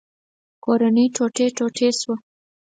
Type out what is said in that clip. کورنۍ ټوټې ټوټې شوه.